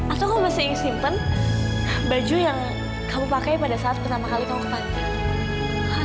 atau kamu masih simpen baju yang kamu pakai pada saat pertama kali kamu pakai